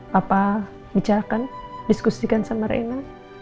papa bicarakan diskusikan sama rena